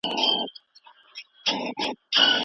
خپل فکر ولرئ.